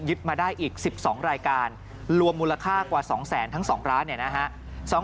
ยึดมาได้อีก๑๒รายการรวมมูลค่ากว่า๒แสนทั้ง๒ร้าน